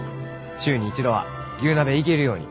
週に一度は牛鍋行けるように。